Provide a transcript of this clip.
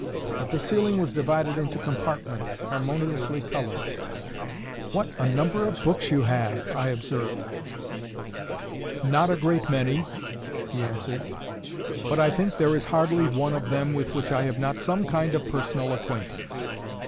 But the ceiling was divided into compartments, harmoniously coloured. "What a number of books you have!" I observed. "Not a great many," he answered. "But I think there is hardly one of them with which I have not some kind of personal acquaintance.